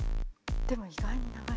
でも意外に長い。